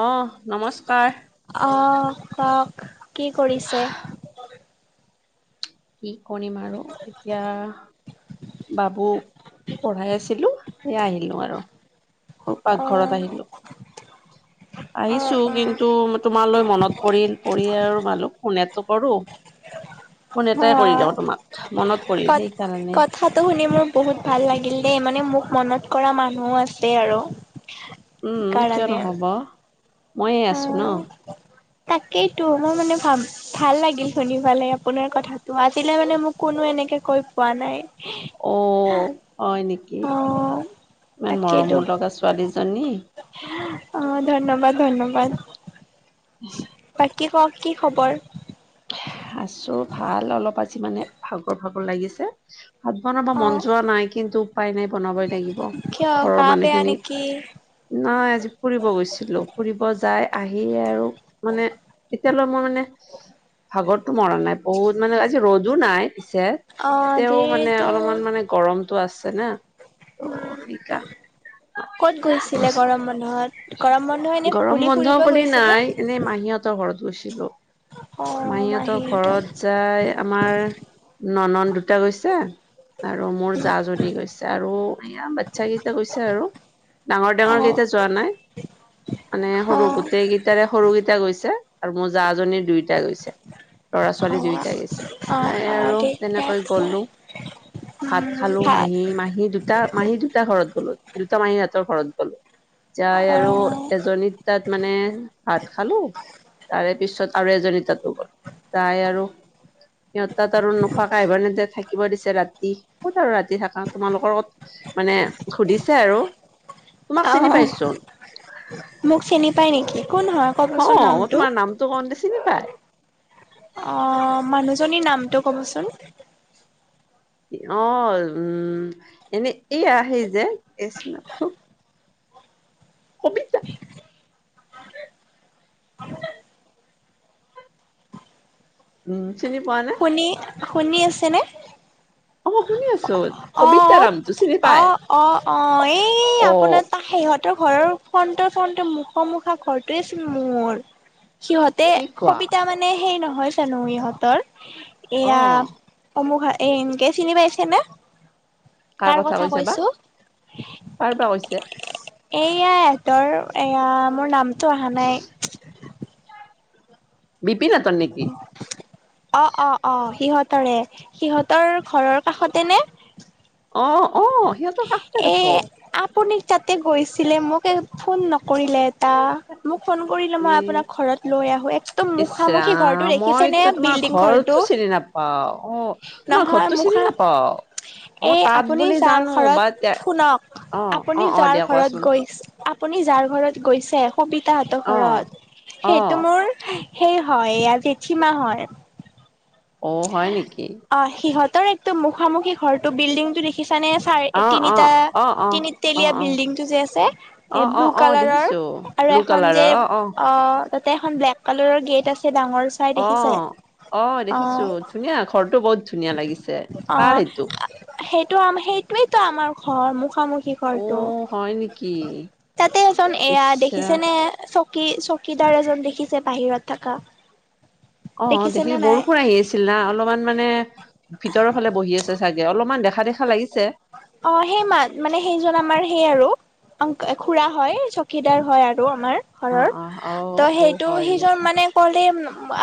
অহ, নমস্কাৰ। অহ, কওক কি কৰিছে? কি কৰিম আৰু এতিয়া বাবুক পঢ়াই আছিলো, এই আহিলোঁ আৰু। পাকঘৰত অ', আহিলোঁ। [inaudible] অ', আহিছোঁ, অ'। কিন্তু তোমালৈ মনত পৰিল পৰি আৰু ভাবিলো ফোন এটো কৰোঁ। [inaudible] ফোন এটাই কৰি দিওঁ তোমাক। মনত পৰিল কথ-কথাত সেইকাৰণে কথাতো শুনি মোৰ বহুত ভাল লাগিল দেই। মানে, মোক মনত কৰা মানুহো আছে আৰু। উম। কিয় সেইকাৰণে নহ'ব ময়ে আছো ন'। অ'। তাকেইতো মই মানে ভাবি ভাল লাগিল শুনি পালাই আপোনাৰ কথাাটো, আজিলে মানে মোক কোনো এনেকে কৈ পোৱা নাই। অ', হয় নেকি অ', ইমান মৰম তাকেইতো লগা ছোৱালীজনী। অ' ধন্যবাদ-ধন্যবাদ বাকী কওঁক কি খবৰ? আছো ভাল। অলপ আজি মানে ভাগৰ ভাগৰ লাগিছেঁ। ভাত বনাব মন অ', যোৱা নাই। কিন্তু উপায় নাই বনাবই লাগিব। কিয় ঘৰৰ গা বেয়া মানুহখিনি নেকি? নাই আজি ফুৰিব গৈছিলো। ফুৰিব যাই আহিয়েই আৰু মানে এতিয়ালৈ মই মানে ভাগৰতো মৰা নাই বহুত মানে, আজি ৰ'দো নাই পিছে অ', তেওঁ মানে আজিতো অলপমান মানে গৰমতটো আছে না ত' উম সেইকাৰণে। সিহঁত গৰম বন্ধ এনেই গৰম বুলি বন্ধ ফুৰিব বুলি গৈছিলে। নাই এনেই মাহীহঁতৰ ঘৰত গৈছিলো মাহীহঁতৰ ঘৰত যাই আমাৰ ননন্দ দুটা গৈছে। আৰু মোৰ জা জনী গৈছে আৰু এয়া বাচ্ছা কেইটা গৈছে আৰু। অ ডাঙৰ-ডাঙৰ কেইটা যোৱা নাই। মানে অ সৰু গোটেই কেইটাৰে সৰুকেইটা গৈছে আৰু মোৰ জা জনীৰ দুইটাই গৈছে ল'ৰা অ ছোৱালী দুইটাই গৈছে। অ নাই অ আৰু ঠিকে তেনেকৈ আছে গলোঁ। ভাত উম খালোঁ ভাল মাহী-মাহী দুটা মাহী দুটা ঘৰত গলোঁ দুটা মাহী হতঁৰ ঘৰত গলোঁ। যাই অ আৰু এজনীৰ তাত মানে ভাত খালোঁ। তাৰে পিছত আৰু এজনীৰতাতো গলোঁ। যাই আৰু সিহঁত তাত আৰু নোখোৱাকে আহিব নিদিয়ে, থাকিব দিছে ৰাতি ক'ত আৰু ৰাতি থাকা তোমালোকৰ ক'ত মানে সুধিছে আৰু অ তোমাক চিনি পাই চোন। মোক চিনি পাই নেকি কোন হয় ক'বচোন নামটো। তোক অহনতে চিনি পায়। অ' মানুহজনীৰ নামটো ক'বচোন? অ' উম এনে এই আহি যে কি আছিলে নামটো। কবিতা। উম, চিনি পোৱা নে? আপুনি শুনি আছেনে? অ মই শুনি আছোঁ, কবিতা নামতো চিনি পাই। অঁ অঁ এই অ, আপোনাৰ অ সিহঁতৰ ঘৰৰ ফন্ত - চন্ত মুখ মুখা ঘৰটোৱেচোন মোৰ। সিহঁতে কি কোৱা? সবিতা মানে সেই নহয় জানো ইহঁতৰ অ, এয়া অমুকা এই এনকে চিনি পাইছে নে? কাৰ কথা কৈছে বা? কাৰ বা কৈছে? এয়া ইহঁতৰ, এয়া মোৰ নামটো অহা নাই। বিপিনহতৰ নেকি? অ অ অ সিহঁতৰে, সিহঁতৰ ঘৰৰ কাষতে নে? অ অ। সিহঁতৰ কাষতে এ দেখোন। আপুনি তাতে গৈছিলে, মোকে ফোন নকৰিলে টা, মোক ফোন কৰিলে এ মই আপোনাক ঘৰত লৈ আহো একদম ইচ মুখামুখি ঘৰটো ৰাম, দেখিছেনে? মইতো তোমাৰ ঘৰটো চিনি নাপাও, অ তোমাৰ ঘৰটো চিনি নাপাও। মই এ তাত আপুনি বুলি যাৰ জানো বা ঘৰত, তে শুনক অ, অ, আপুনি অ, যাৰ দিয়া ঘৰত কোৱাচোন। গৈছ আপুনি যাৰ ঘৰত গৈছে সবিতাহতৰ অ, ঘৰত অ, সেইটো মোৰ সেই হয় এয়া জেঠী মা হয়। অ' হয় নেকি? অ সিহঁতৰ একটো মুখামুখি ঘৰটো বিল্ডিংটো দেখ খিছানে চাৰে অ, অ, তিনিটা, অ, অ, তিনি অ, তেলীয়া অ, বিল্ডিংটো যে আছে অ, এ অ, ব্লু অ, কালাৰৰ। দেখিছো। আৰু এখন যে অ তাতে এখন ব্লেক কালাৰৰ গেট আছে ডাঙৰ চাই অ, দেখিছে অ দেখিছো ধুনীয়া ঘৰটো বহুত ধুনীয়া লাগিছে, অ কাৰ সেইটো? সেইটো আম সেইটোয়েতো আমাৰ ঘৰ মুখামুখি অ ঘৰটো হয় নেকি তাতে এজন এয়া ইচৰা দেখিছেনে চ কি চকীদাৰ এজন দেখিছে বাহিৰত থাকা? অ দেখি বৰষুণ আহি আছিল না অলপমান মানে ভিতৰৰফালে বহি আছে চাগে, অলপমান দেখা দেখা লাগিছে। অ সেই মা মানে সেইজন আমাৰ সেই আৰু অংক খুৰা হয়, চকীদাৰ হয় আৰু আমাৰ। অ ঘৰৰ। অ অ, ত' অ সেইটো হয় সিজন নেকি? মানে কলে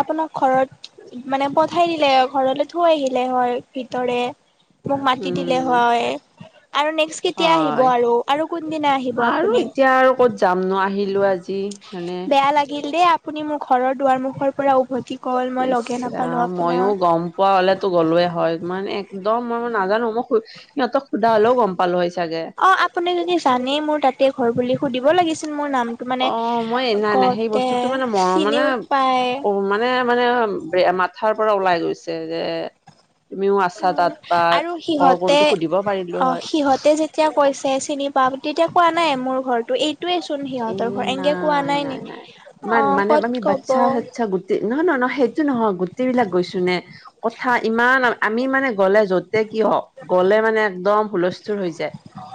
আপোনাক ঘৰত মানে পঠাই দিলে, ঘৰলে থৈ আহিলে হয় ভিতৰে। মোক মাতি দিলে উম হয় আৰু নেক্স কেতিয়া আহিব হয় আৰু আৰু কোনদিনা আহিব আৰু আপুনি? এতিয়া আৰু ক'ত যাম নো আহিলো আজি মানে বেয়া লাগিল দেই আপুনি মোৰ ঘৰৰ দুৱাৰ মুখৰ পৰা উভতি গ'ল মই লগে নাপালো ইচৰাম ময়ো আপোনাক। গম পোৱা হ'লেতো গ'লোৱে হয় মানে একদম মই মই নাজানো মই হো সিহঁতক সোধা হলেও গম পালো হয় চাগে? অঁ, আপুনি যদি জানেই মোৰ তাতে ঘৰ বুলি সুধিব লাগিছিল মোৰ নাম টো মানে অ', মই নাই নাই সেই গোটে বস্তুটো চিনিও পায়। এ মানে ব্ৰে মাথাৰ পৰা ওলাই গৈছে যে। তুমিও আছা তাত বা আৰু ঘৰ কোনটো সুধিব পাৰিলো হয়? এতিয়া কৈছে চিনি পা তেতিয়া কোৱা নাই মোৰ ঘৰটো এই তোৱে চোন সিহঁতৰ ঘৰ এনেকে কোৱা নাই নে অ কত কব? তে নহয় নহয় ন সেইটো নহয় গোটেইবিলাক গৈছো নে কথা ইমান আমি মানে গ'লে যতে কি হওঁক, গ'লে মানে একদম হুলস্থুল হৈ যায়।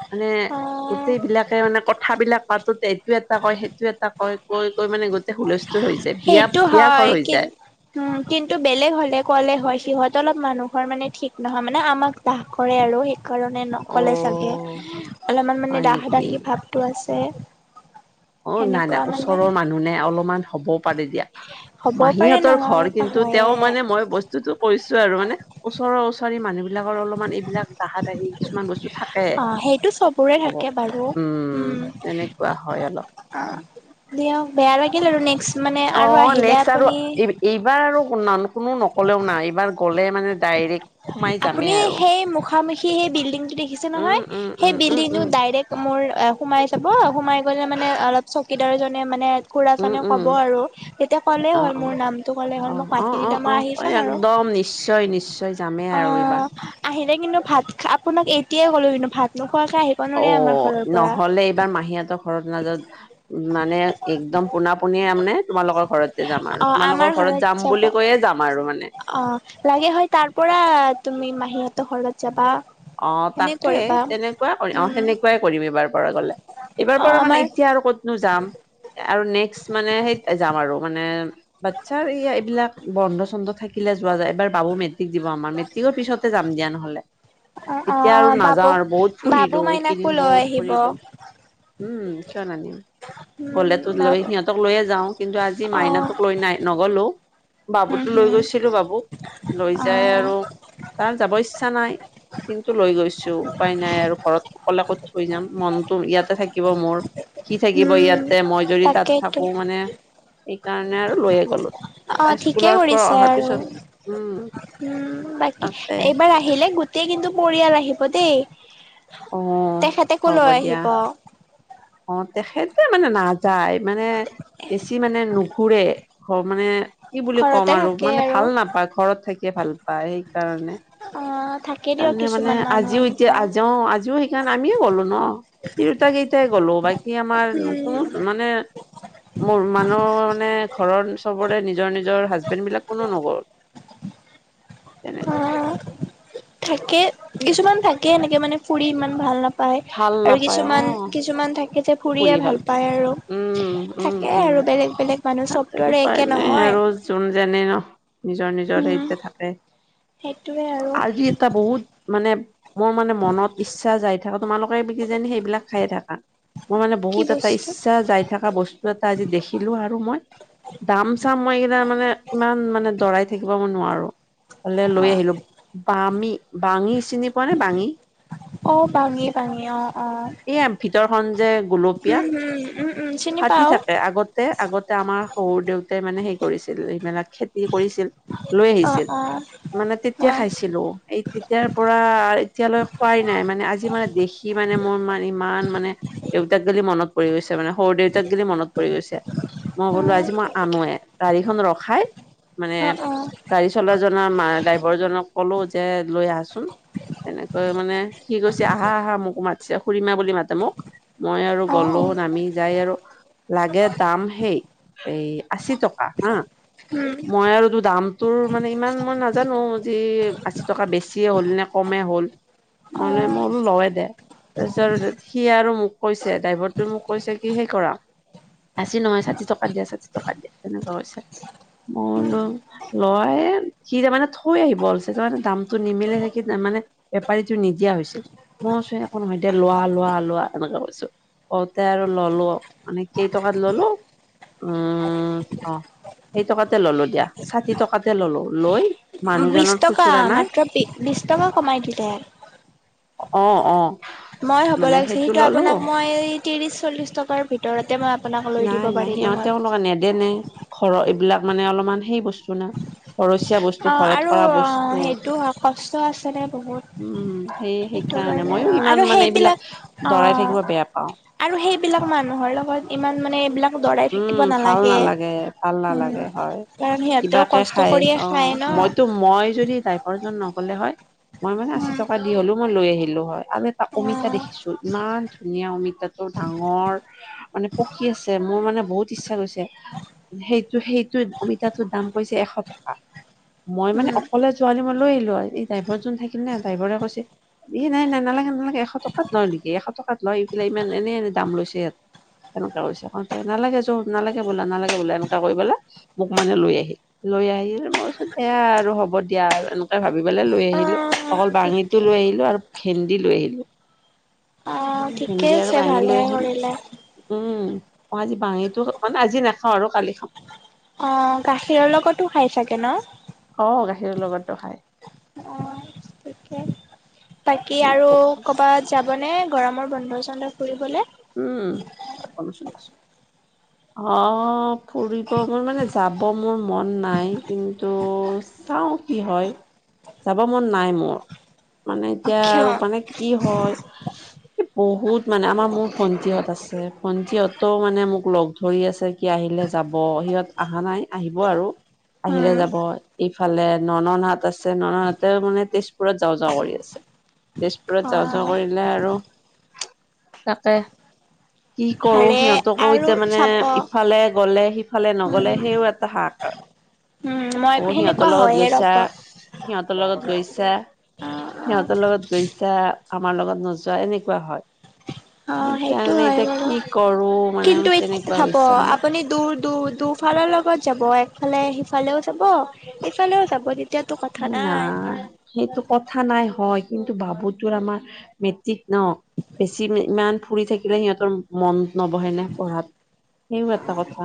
মানে অ গোটেই বিলাকে মানে কথাবিলাক পাতোতে এইটো এটা কয়, সেইটো এটা কয়। কৈ কৈ মানে গোটেই হুলস্থুল হৈ যায়, বিয়া-বিয়া ঘৰ হৈ যায়। উমজ কিন্তু বেলেগ হ'লে কলে হয় সিহঁত অলপ মানুহৰ মানে ঠিক নহয়, মানে আমাক দাহ কৰে আৰু সেইকাৰণে নক'লে চাগে, অ', অলপমান মানে হয় দাহ নেকি? দাহি ভাৱটো আছে। অ', নাই সেনেকুৱা নাই মানে ওচৰৰ মানুহ নে অলপমান হ'ব পাৰে দিয়া। হ'ব পাৰে মাহীহঁতৰ নহয় ঘৰ বা কিন্তু হয়ে তেওঁ মানে মই বস্তু যিটো কৈছো আৰু মানে ওচৰৰ-ওচাৰি মানুহ বিলাকৰ অলপ অকমান এইবিলাক দাহা দাহি কিছুমান বস্তু থাকে। অ সেইটো চবৰে হ'ব। থাকে বাৰু, উম, তেনেকুৱা হয় অলপ। উম। অ', দিয়ক বেয়া লাগিল আৰু নেক্স মানে আৰু অ', আহিলে নেক্সট আৰু আপুনি এইবাৰ আৰু ন' কোনো নক'লেও নাই, এইবাৰ গ'লে মানে ডাইৰেক্ট সোমাই আপুনি যামেই আৰু সেই মুখামুখি সেই বিল্ডিংটো দেখিছে উম, নহয়, উম, সেই উম, উম, বিল্ডিংটো উম, ডাইৰেক্ট মোৰ সোমাই যাব, সোমাই গ'লে মানে অলপ চকীদাৰ এজনে মানে উম, খুৰাজনেও উম, ক'ব আৰু তেতিয়া ক'লে অ', হ'ল মোৰ অ'। নামটো ক'লে হ'ল অ', মোক মাতি অ', দিলে অ', মই আহি অ', চাম আৰু একদম নিশ্চয়, নিশ্চয়। যামেই আৰু এইবাৰ। অ', আহিলে কিন্তু ভাত আপোনাক এতিয়াই ক'লো কিন্তু ভাত নোখোৱাকে আহি অ', নহ'লে এইবাৰ মাহীহঁতৰ ঘৰত নাযাওঁ। উ, মানে একদম পোনা পোনিয়ে মানে তোমালোকৰ ঘৰতে যাম আৰু অ তোমালোকৰ আমাৰ ঘৰত যাম যাব বুলি কৈয়ে যাম আৰু মানে। অ লাগে হয়, তাৰপৰা তুমি মাহীহঁতৰ ঘৰত যাবা। অ', সেনে তাকে কৰিবা তেনেকুৱা কৰি, অ', উম সেনেকুৱাই কৰিম এইবাৰৰ পৰা গ'লে। অ এইবাৰ পৰা আমাৰ মানে, এতিয়া আৰু ক'তনো যাম? আৰু নেক্সট মানে সেই যাম আৰু মানে বাচ্ছাৰ এইয়া এইবিলাক বন্ধ-চন্ধ থাকিলে যোৱা যায়, এইবাৰ বাবু মেট্ৰিক দিব, আমাৰ মেট্ৰিক কৰ পিছতে যাম দিয়া নহ'লে। অ অ এতিয়া অ আৰু নাযাওঁ বাবুক আৰু বহুত বাবু ফুৰিলো মাইনাকো এইকেইদিন, লৈ বহুত আহিব ফুৰিলো। উম, কিয় নাহিম? উম গ'লেতো লৈ বাবু সিহঁতক লৈয়ে যাও, কিন্তু আজি অ মাইনাটোক লৈ নাই নগ'লো। হুম বাবুতো লৈ হুম গৈছিলো বাবুক লৈ অ যাই আৰু তাৰ যাব ইচ্ছা নাই। কিন্তু লৈ গৈছো উপায় নাই আৰু ঘৰত অকলে ক'ত থৈ যাম, মনটো ইয়াতে থাকিব মোৰ। সি থাকিব হুম ইয়াতে, মই যদি তাত তাকেইতো থাকো, মানে সেইকাৰণে আৰু লৈয়ে গ'লো। অ', ঠিকে স্কুলৰ পৰা কৰিছে অহাৰ আৰু পিছত উম, বাকী তাকে এইবাৰ আহিলে আহিলে গোটেই কিন্তু পৰিয়াল আহিব অ দেই, তেখেতেকো হ'ব লৈ দিয়া আহিব। অ', তেখেতে মানে নাযায়, মানে বেছি মানে নুঘূৰে ঘ মানে কি বুলি ক'ম ঘৰতে আৰু থাকে মানে ভাল নাপায় ঘৰত থাকিয়ে ভাল পায়, সেইকাৰণে। অ থাকে দিয়ক তাৰমানে মানে কিছুমান মানুহ আজিও এতিয়া এনেকুৱা আজিও, অ', আজিও স আমিও গ'লো ন' তিৰোতা কেইটাই গ'লো, বাকী আমাৰ কোনো উম মানে মোৰ মানুহ মানে, ঘৰৰ চবৰে নিজৰ নিজৰ হাজবেণ্ড বিলাক কোনো নগ'ল। [inaudible] তেনে অ থাকে, কিছুমান থাকে সেনেকে মানে ফুৰি ইমান ভাল নাপায়, ভাল আৰু নাপায় অ কিছুমান কিছুমান থাকে যে ফুৰিয়ে ভাল পায় আৰু উম উম থাকে উম আৰু বেলেগ বেলেগ মানুহ তাতে চবটো আৰু উপায় একে নাই নহয়। আৰু যোন যেনে ন' নিজৰ নিজৰ উম হেৰিতে থাকে। সেইটোৱে আৰু আজি এটা বহুত মানে মোৰ মানে মনত ইচ্ছা যাই থকা তোমালোকে কিজানি সেইবিলাক খায়ে থাকা। মোৰ মানে কি বহুত এটা বস্তু ইচ্ছা যাই থকা বস্তু এটা আজি দেখিলো আৰু মই। দাম চাম মই এইকিটা মানে, ইমান মানে দৰাই থাকিব মই নোৱাৰো। হ'লে লৈ অ আহিলো। বামি, বাঙি চিনি পোৱা নে বাঙি? অ', বাঙি, বাঙি অ', অ'। এইয়া ভিতৰখন যে গোলপীয়া। উ। ফাটি থাকে। আগতে আগতে আমাৰ সৰু দেউতাই মানে হেৰি কৰিছিল এইবিলাক খেত খেতি কৰিছিল, লৈ অ আহিছিল, অ মানে অ অ তেতিয়া খাইছিলো। এই তেতিয়াৰ পৰা এতিয়ালৈ খোৱাই নাই মানে আজি মানে দেখি মানে মই মাৰ ইমান মানে দেউতাক গেলি মনত পৰি গৈছে মানে, শহুৰ দেউতাক গেলি মনত পৰি গৈছে। মই অ বোলো আজি মই আনোৱে, গাড়ীখন ৰখাই, মানে অ গাড়ী চলা জনা মাৰ ড্ৰাইভাৰ জনক ক'লো যে লৈ আহাচোন। তেনেকৈ মানে সি কৈছে আহা আহা মোকো মাতছে খুৰিমা বুলি মাতে মোক। মই আৰু অ অ গ'লো নামি যাই আৰু, লাগে দাম সেই এই আশী টকা হা। উম মই আৰু তোৰ দামটোৰ মানে ইমান মই নাজানো যে আশী টকা বেছিয়ে হ'ল নে কমে হ'ল। অ মানে মোৰো ল‌ওয়ে দে, তাৰছত সি আৰু মোক কৈছে, ড্ৰাইভৰটো মোক কৈছে কি সেই কৰা, আশী নহয়, ষাঠি টকাত দিয়া, ষাঠি টকাত দিয়া, সেনেকুৱা কৈছে। মই লো লয়ে, সি তাৰমানে থৈ আহিব ওলছে তাৰ মানে দামটো নিমিলে দেখি তাৰমানে বেপাৰীটো নিদিয়া হৈছিল, মই কৈছো একো নহয় দে, লোৱা, লোৱা, লোৱা, এনেকা কৈছো। কওঁতে আৰু ললো। আমি কেইটকাত লল? উম, অ', সেই টকাতে ললো দিয়া, ষাঠি টকাতে ললো। লৈ- বিশ মানুহজনৰ টকা খুচুৰা নাই মাত্ৰ বি বিশ টকা কমাই দিলে। অ অ মই হ'ব মানে লাগিছিল সেইটো সিটো ললো আপোনাক মই ত্ৰিশ চল্লিশ টকাৰ ভিত ভিতৰতে মই আপোনাক লৈ দিব নাই নাই পাৰিলো হয়। সিহঁতেও [unintelligible] নেদে নে। ঘৰ এইবিলাক মানে অলপমান সেই বস্তু না ঘৰচীয়া বচ অ', আৰু অ', সেইটো হয় কষ্ট আছেদে বহুত। উ, সেই সেইটো সেইকাৰণে কাৰণে অ মইও আৰু ইমান মানে সেইবিলাক এইবিলাক অ দৰাই থাকিব বেয়া পাওঁ। আৰু সেইবিলাক মানুহৰ লগত ইমান মানে এইবিলাক দৰাই উম থাকিব ভাল নালাগে, ভাল নালাগে হয় কাৰণ সিয়তেও কিবাকে কষ্ট খাই কৰিয়ে খায় অ', ন মইতো মই যদি ড্ৰাইভাৰ জন নগলে হয় মই মানে আশী উম টকাত দি হলেও মই লৈ আহিলো হয়। আৰু এটা অ অমিতা দেখিছো, ইমান ধুনীয়া অমিতাটো ডাঙৰ। মানে পকী আছে, মোৰ মানে বহুত ইচ্ছা গৈছে, সেই সেইটো অমিতাটোৰ দাম কৈছে এশ টকা, মই মানে উম। অকলে [unintelligible] মই লৈ আহিলো হয়। এই ড্ৰাইভৰ জন থাকিলনে ড্ৰাইভৰে কৈছে ই, নাই, নাই, নালাগে, নালাগে এশ টকাত লয় নেকি, এশ টকাত লয় ইগিলা ইমান এনে এনে দাম লৈছে ইয়াত। এনেকুৱা কৰিছে, কৈছে নালাগে যক, নালাগে বোলা নালাগে বোলে এনেকুৱা কৰিবলে। মোক মানে লৈ আহিল। লৈ আহিল মই কৈছো দে আৰু হ'ব দিয়া আৰু এনেক ভাবি পেলাই লৈ অ আহিলো। অকল ঠিকে বাঙিতো লৈ আহিলো, আৰু ভেন্দি লৈ আহিলো। অ', ঠিকে আছে, ভালেই কৰিলে। উ, ম‌ই আজি বাঙীটো মানে আজি নাখাওঁ আৰু কালি খাম। অ' গাখীৰৰ লগতো খাই চাগে ন অ' গাখীৰৰ লগতো খাই অ' ঠিকে বাকী মোৰ আৰু ভোক কৰবাত যাবনে গৰমৰ বন্ধ চন্ধ ফুৰিবলে উম অ ফুৰিব মোৰ মানে যাব মোৰ মন নাই কিন্তু চাও কি হয়, যাব মন নাই মোৰ, মানে এতিয়া আৰু অক্ষয় মানে কি হয় এ বহুত মানে আমাৰ মোৰ ভণ্টিহঁত আছে ভণ্টিহঁতো মানে মোক লগ ধৰি আছে কি আহিলে যাব সিহঁত আহা নাই আহিব আৰু আহিলে উম যাব এই ইফালে ননদহঁত আছে নননহঁতেও মানে তেজপুৰত যাওঁ যাওঁ কৰি আছে তেজপুৰত অ যাওঁ যাওঁ কৰিলে আৰু তাকে কি কৰো হাৰে সিহঁতকো আৰু এতিয়া মানে চাব ইফালে গলে সিফালে উম নগলে সেইও এটা হাহাকাৰ উম মই অ' সিহঁতৰ সেনেকুৱা লগত হয়হে গৈছা ৰ'ব অ সিহঁতৰ লগত গৈছা অ সিহঁতৰ লগত গৈছা আমাৰ লগত নোযোৱা এনেকুৱা হয় অ' সেইটো সেইকাৰণে হয় এতিয়া বাৰু কি কৰো মানে কিন্তু এই তেনেকুৱা হ'ব হৈছে মোৰ আপুনি দূৰ দূৰ দূফালৰ লগত যাব একফালে সিফালেও যাব তেতিয়াতো কথা নাই সেইটো কথা নাই হয় কিন্তু বাবু তোৰ আমাৰ মেট্ৰিক ন বেছি ইমান ফুৰি থাকিলে সিহঁতৰ মন নবহে নে পঢ়াত সেইও এটা কথা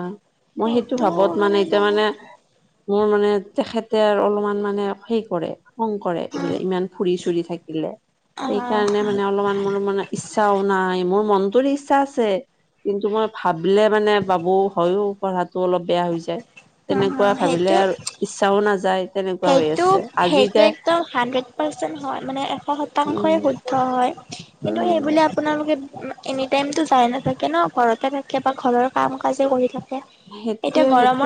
মই সেইটো ভাবত মানে হয় এতিয়া বাৰু মানে মোৰ মানে তেখেতে আৰু অলপমান মানে হে কৰে খং কৰে এইবিলাক ইমান ফুৰি চুৰি থাকিলে অ সেইকাৰণে মানে অলপমান মোৰ মানে ইচ্ছাও নাই মোৰ মনটোৰ ইচ্ছা আছেঁ কিন্তু, মই ভাবিলে মানে বাবু হয়ো পঢ়াটো অলপ বেয়া হৈছেঁ অ তেনেকুৱা ভাবিলে সেইটো আৰু ইচ্ছাও নাযায় তেনেকুৱা হৈ সেইটো আছে আজি সেইটো এতিয়া একদম হাণ্ড্ৰেড পাৰ্চেণ্ট হয় মানে এশ শতাংশই উম শুদ্ধ হয় কিন্তু সেই উম বুলি আপোনালোকে এনি টাইমতো যাই নাথাকে ন ঘৰতে থাকে বা ঘৰৰ কাম কাজে কৰি থাকে এতিয়া সেইটোয়ে সেইটোয়ে গৰমৰ